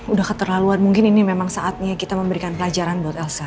udah keterlaluan mungkin ini memang saatnya kita memberikan pelajaran buat elsa